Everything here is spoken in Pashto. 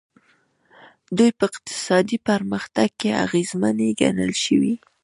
دوی په اقتصادي پرمختګ کې اغېزمنې ګڼل شوي.